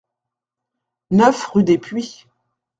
neuf rue des Puits-